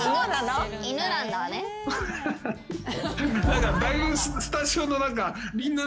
何かだいぶスタジオのみんな。